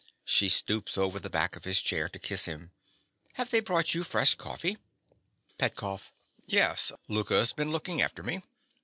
(She stoops over the back of his chair to kiss him.) Have they brought you fresh coffee? PETKOFF. Yes, Louka's been looking after me.